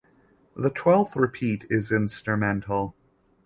The twelfth repeat is instrumental.